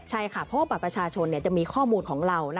ใช่ค่ะเพราะว่าบัตรประชาชนจะมีข้อมูลของเรา